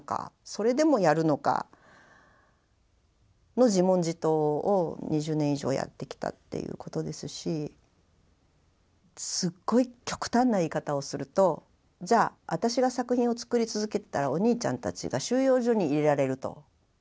それでもやるのかの自問自答を２０年以上やってきたっていうことですしすごい極端な言い方をするとじゃあ私が作品を作り続けてたらお兄ちゃんたちが収容所に入れられると。